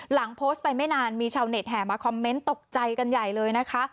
หลังโพสต์ไปไม่นานมีชาวเน็ตแห่มาคอมเมนต์ตกใจกันใหญ่เลยนะคะ